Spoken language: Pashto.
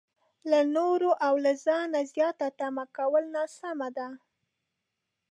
له نورو او له ځانه زياته تمه کول ناسمه ده.